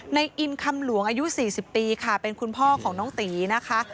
ในอินคำหลวงอายุ๔๐ปีค่ะเป็นคุณพ่อของน้องตีนะคะ